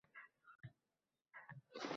Ular orasida yozuvchidagi iste’dod darajasi bor.